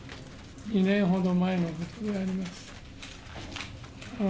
２年ほど前のことであります。